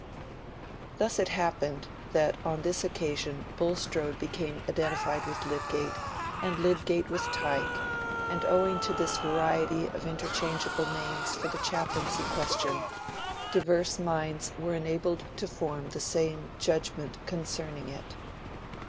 Thus it happened that on this occasion Bulstrode became identified with Lydgate, and Lydgate with Tyke; and owing to this variety of interchangeable names for the chaplaincy question, diverse minds were enabled to form the same judgment concerning it.